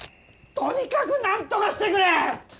とにかくなんとかしてくれ！